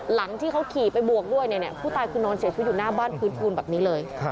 หลังที่เขาขี่ไปบวกด้วยผู้ตายคือนอนเสียชีวิตอยู่หน้าบ้านพื้นปูนแบบนี้เลย